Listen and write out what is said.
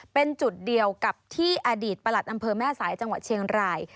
เป็นจุดเดียวกับที่อดีตประหลัดอำเภอแม่สายจังหวัดเชียงราย